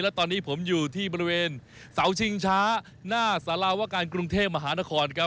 และตอนนี้ผมอยู่ที่บริเวณเสาชิงช้าหน้าสาราวการกรุงเทพมหานครครับ